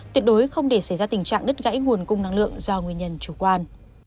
tuyệt đối không để xảy ra tình trạng đứt gãy nguồn cung năng lượng do nguyên nhân chủ quan